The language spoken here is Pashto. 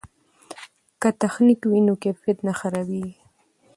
که تخنیک وي نو کیفیت نه خرابیږي.